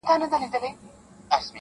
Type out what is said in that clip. • لا یې ستوني ته نغمه نه وه راغلې -